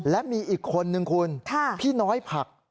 และมีอีกคนนึงคุณพี่น้อยผัก